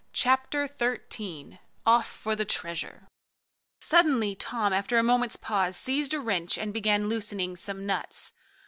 Chapter Thirteen Off for the Treasure Suddenly Tom, after a moment's pause, seized a wrench and began loosening some nuts.